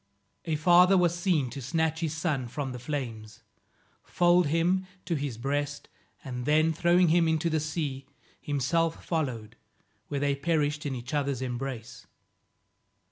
A father was seen to snatch his son from the flames, fold him to his breast, and, then throwing him into the sea, himself followed, where they perished in each other's embrace.